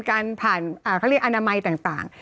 การผ่านเขาเรียกอนามัยต่าง